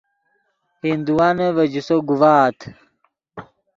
ہندوانے ڤے جوسو گوڤآت